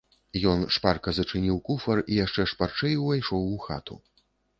Ён шпарка зачыніў куфар і яшчэ шпарчэй увайшоў у хату.